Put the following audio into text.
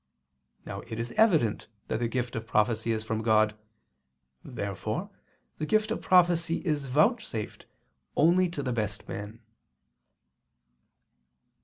Now it is evident that the gift of prophecy is from God. Therefore the gift of prophecy is vouchsafed only to the best men.